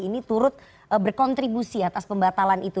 ini turut berkontribusi atas pembatalan itu